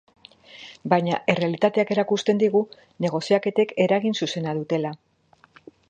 Baina errealitateak erakusten digu negoziaketek eragin zuzena dutela.